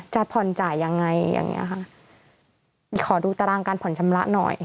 จะผ่อนจ่ายยังไงอย่างเงี้ยค่ะขอดูตารางการผ่อนชำระหน่อย